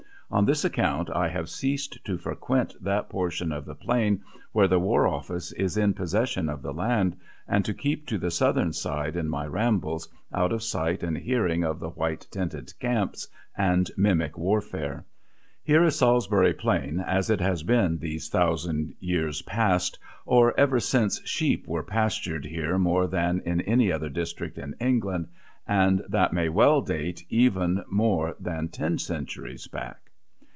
On this account I have ceased to frequent that portion of the Plain where the War Office is in possession of the land, and to keep to the southern side in my rambles, out of sight and hearing of the "white tented camps" and mimic warfare. Here is Salisbury Plain as it has been these thousand years past, or ever since sheep were pastured here more than in any other district in England, and that may well date even more than ten centuries back.